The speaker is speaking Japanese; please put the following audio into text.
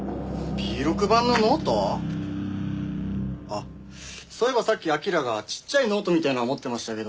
あっそういえばさっき彬がちっちゃいノートみたいなの持ってましたけど。